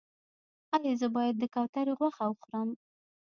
ایا زه باید د کوترې غوښه وخورم؟